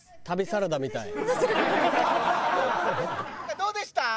どうでした？